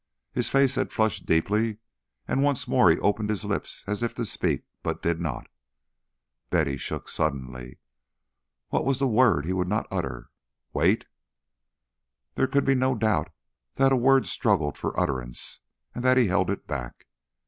His face had flushed deeply, and once more he opened his lips as if to speak, but did not. Betty shook suddenly. Was the word he would not utter "Wait"? There could be no doubt that a word struggled for utterance, and that he held it back.